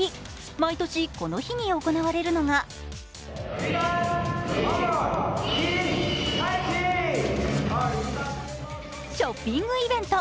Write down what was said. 毎年この日に行われるのがショッピングイベント。